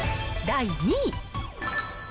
第２位。